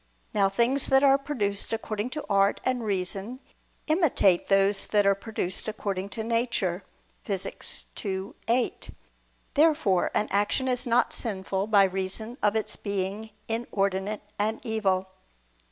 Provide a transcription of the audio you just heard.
Now things that are produced according to art and reason imitate those that are produced according to nature (Phys. ii, 8). Therefore an action is not sinful by reason of its being inordinate and evil.